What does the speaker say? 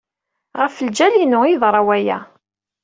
Ɣef ljal-inu ay yeḍra waya.